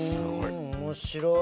面白い。